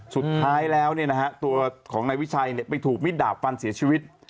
สุดท้ายแล้วตัวของนายวิชัยไปถูกมิดดาบฟันเสียชีวิต